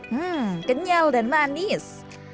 hmm kenyal dan manis